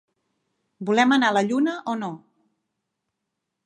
Volem anar a la Lluna o no?